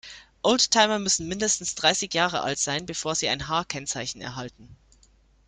Oldtimer müssen mindestens dreißig Jahre alt sein, bevor sie ein H-Kennzeichen erhalten.